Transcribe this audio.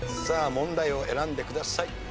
さあ問題を選んでください。